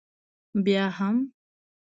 بیا هم؟